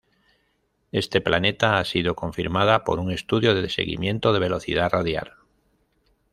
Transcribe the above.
Este planeta ha sido confirmada por un estudio de seguimiento de velocidad radial.